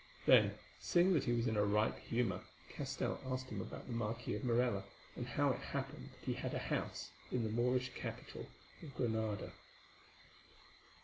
Then, seeing that he was in a ripe humour, Castell asked him about the Marquis of Morella, and how it happened that he had a house in the Moorish capital of Granada.